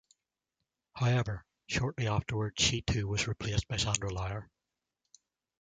However, shortly afterwards she too was replaced by Sandra Lauer.